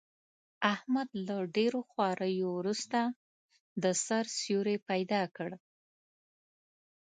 احمد له ډېرو خواریو ورسته، د سر سیوری پیدا کړ.